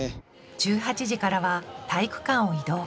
１８時からは体育館を移動。